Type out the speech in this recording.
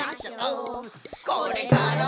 「これから」